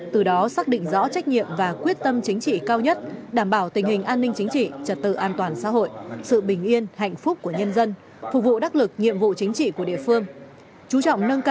từ đó xác định rõ trách nhiệm và quyết tâm chính trị cao nhất đảm bảo tình hình an ninh chính trị trật tự an toàn xã hội sự bình yên hạnh phúc của nhân dân phục vụ đắc lực nhiệm vụ chính trị của địa phương